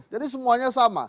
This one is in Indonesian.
jadi semuanya sama